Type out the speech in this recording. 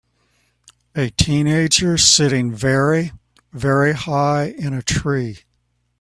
A teenager sitting very, very high in a tree.